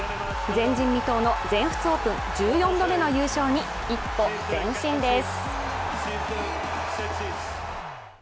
前人未到の全仏オープン１４度目の優勝に一歩前進です。